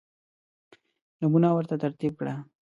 نمونه ورته ترتیب کړه.